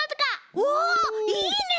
おおいいね！